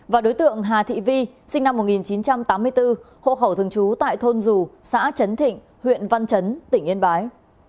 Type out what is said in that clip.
và đối tượng hà thị vi sinh năm một nghìn chín trăm tám mươi bốn hộ khẩu thường trú tại thôn dù xã chấn thịnh huyện văn chấn tỉnh yên bái